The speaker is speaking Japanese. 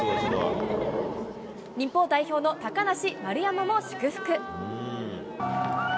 日本代表の高梨、丸山も祝福。